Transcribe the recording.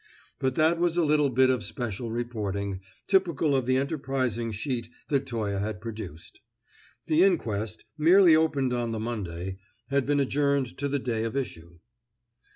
But that was a little bit of special reporting, typical of the enterprising sheet that Toye had procured. The inquest, merely opened on the Monday, had been adjourned to the day of issue.